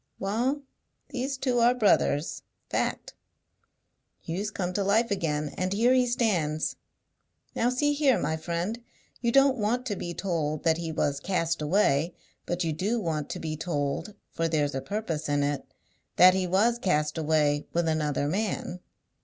Wa'al, these two are brothers, fact! Hugh's come to life again, and here he stands. Now see here, my friend! You don't want to be told that he was cast away, but you do want to be told (for there's a purpose in it) that he was cast away with another man.